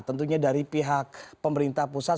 tentunya dari pihak pemerintah pusat